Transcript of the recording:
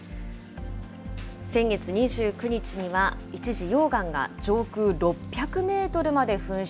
先月２９日には、一時、溶岩が上空６００メートルまで噴出。